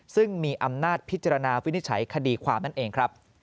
ซึ่งมีอำนาจพิจารณาวินิจฉัยคดีความนั่นเองครับ